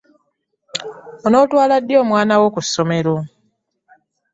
Onootwala ddi omwana wo ku ssomero?